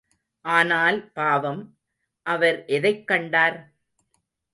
ஆனால் பாவம், அவர் எதைக் கண்டார்?